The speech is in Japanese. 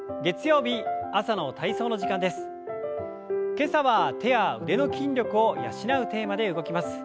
今朝は手や腕の筋力を養うテーマで動きます。